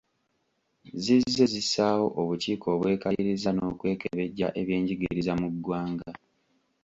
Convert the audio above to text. Zizze zissaawo obukiiko obwekaliriza n'okwekebejja eby'enjigiriza mu ggwanga.